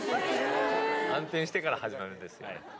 暗転してから始まるんですね。